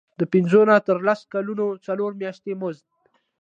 د پنځه نه تر لس کلونو څلور میاشتې مزد.